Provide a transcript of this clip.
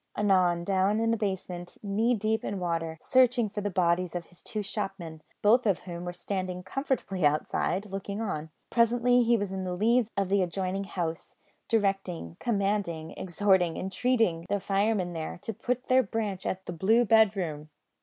Anon, down in the basement, knee deep in water, searching for the bodies of his two shopmen, both of whom were standing comfortably outside, looking on. Presently he was on the leads of the adjoining house, directing, commanding, exhorting, entreating, the firemen there to point their branch at the "blue bedroom."